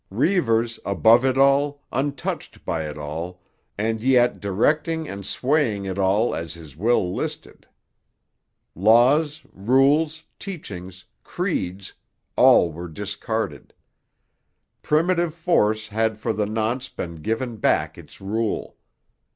Reivers, above it all, untouched by it all, and yet directing and swaying it all as his will listed. Laws, rules, teachings, creeds—all were discarded. Primitive force had for the nonce been given back its rule.